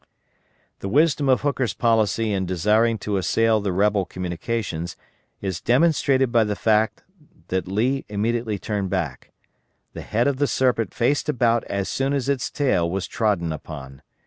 The wisdom of Hooker's policy in desiring to assail the rebel communications is demonstrated by the fact the Lee immediately turned back. The head of the serpent faced about as soon as its tail was trodden upon.